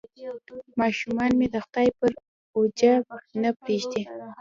ماشومان مې د خدای پر اوېجه نه پرېږدي.